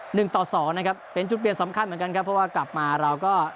หนึ่งต่อสองนะครับเป็นจุดเบียนสำคัญเหมือนกันกลับมาเราก็